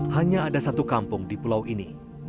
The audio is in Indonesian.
hanya ada satu kampung di pulau ini